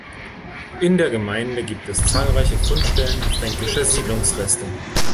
In der Gemeinde gibt es zahlreiche Fundstellen fränkischer Siedlungsreste.